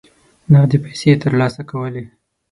نغدي پیسې ترلاسه کولې.